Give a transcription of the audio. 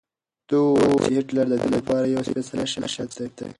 ده وویل چې هېټلر د ده لپاره یو سپېڅلی شخصیت دی.